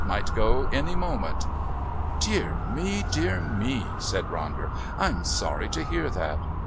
Might go any moment." "Dear me, dear me," said Ronder. "I'm sorry to hear that."